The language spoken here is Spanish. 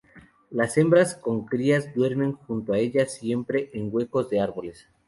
Las hembras con crías duermen junto a ellas siempre en huecos de árboles.